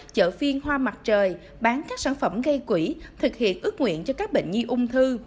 chợ phiên hoa mặt trời bán các sản phẩm gây quỹ thực hiện ước nguyện cho các bệnh nhi ung thư